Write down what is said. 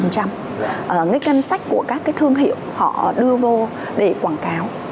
cái ngân sách của các cái thương hiệu họ đưa vô để quảng cáo